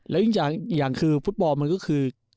แล้วอีกอย่างคือฟุตบอลมันก็คือ